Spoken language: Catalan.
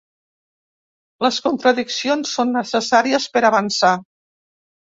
Les contradiccions són necessàries per avançar.